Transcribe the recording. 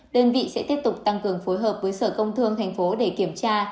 đơn vị sẽ tiếp tục tăng cường phối hợp với sở công thương tp hcm để kiểm tra